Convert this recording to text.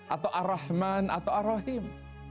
atau ar rahman atau ar rahim